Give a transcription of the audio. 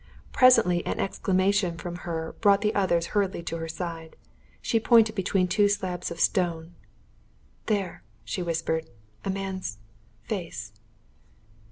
Presently an exclamation from her brought the others hurriedly to her side. She pointed between two slabs of stone. "There!" she whispered. "A man's face!"